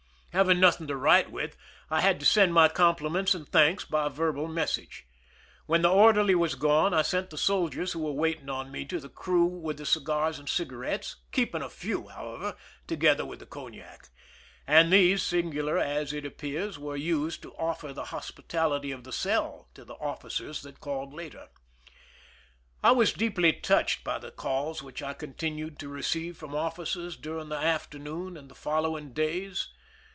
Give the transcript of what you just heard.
Having nothing to write with, I had to send my compliments and thanks by verbal message. When the orderly was gone, I sent the soldiers who were waiting on me to the crew with the cigars and cigarettes, keeping a few, however, together with the cognac ; and these, singular as it appears, were used to offer the hospitality of the cell to the offi cers that called later. I was deeply touched by the calls which I continued to receive from officers during the afternoon and the following days.